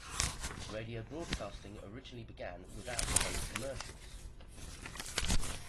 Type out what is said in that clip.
Radio broadcasting originally began without paid commercials.